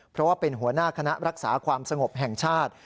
เพราะว่าเป็นหัวหน้าคณะรักษาความสงบแห่งชาติ